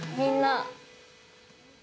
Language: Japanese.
みんな。